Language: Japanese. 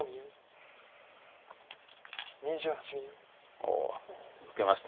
おお受けました。